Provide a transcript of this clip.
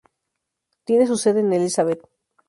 Tiene su sede en Elizabeth.